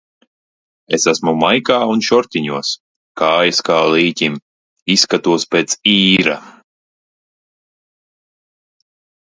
Es esmu maikā un šortiņos, kājas kā līķim, izskatos pēc īra.